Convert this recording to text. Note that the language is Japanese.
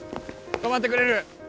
止まってくれる？